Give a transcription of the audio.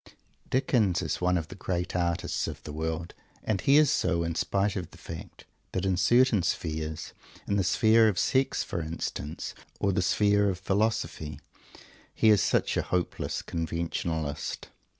Dickens is one of the great artists of the world, and he is so, in spite of the fact that in certain spheres, in the sphere of Sex, for instance, or the sphere of Philosophy, he is such a hopeless conventionalist.